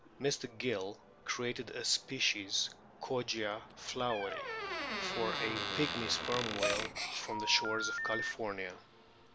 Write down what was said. Mr. Gill* created a species, Kogia floweri, for a Pygmy Sperm whale from the shores of California.